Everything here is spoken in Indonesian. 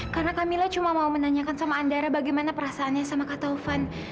karena kak mila cuma mau menanyakan sama andara bagaimana perasaannya sama kak tava